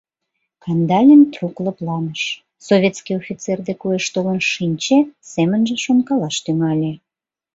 Кандалин трук лыпланыш, советский офицер дек уэш толын шинче, семынже шонкалаш тӱҥале.